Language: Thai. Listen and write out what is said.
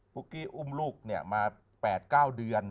กี้อุ้มลูกมา๘๙เดือน